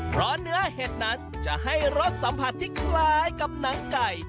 เพราะเนื้อเห็ดนั้นจะให้รสสัมผัสที่คล้ายกับหนังไก่